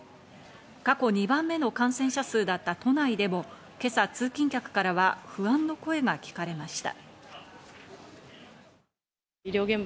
過去２番目の感染者数だった都内でも、今朝、通勤客からは不安の声が聞かれました。